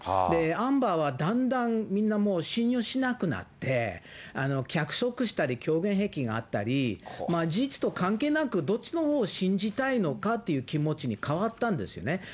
アンバーはだんだん、みんなもう信用しなくなって、脚色したり、虚言癖があったり、事実と関係なく、どっちのほうを信じたいのかという気持ちに変わったんですね。